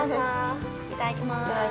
◆いただきす。